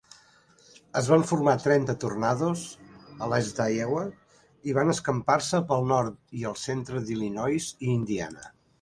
Es van formar trenta tornados a l'est d'Iowa i van escampar-se pel nord i el centre d'Illinois i Indiana.